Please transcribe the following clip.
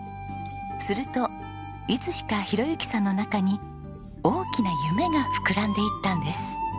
するといつしか宏幸さんの中に大きな夢が膨らんでいったんです。